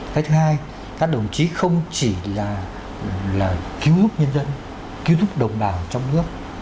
cái thứ hai các đồng chí không chỉ là cứu giúp nhân dân cứu giúp đồng bào trong nước